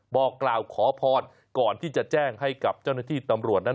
บอกกล่าวขอพรก่อนที่จะแจ้งให้กับเจ้าหน้าที่ตำรวจนั้น